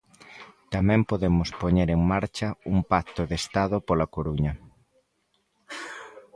Tamén podemos poñer en marcha un pacto de Estado pola Coruña.